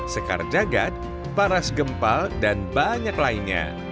sekar jagad paras gempal dan banyak lainnya